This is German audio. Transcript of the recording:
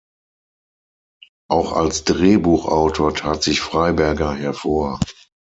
Auch als Drehbuchautor tat sich Freiberger hervor.